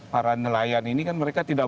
para nelayan ini kan mereka tidak